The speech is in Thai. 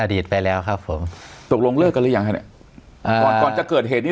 อดีตไปแล้วครับผมตกลงเลิกกันหรือยังก่อนจะเกิดเหตุนี้